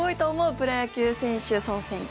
プロ野球選手総選挙」。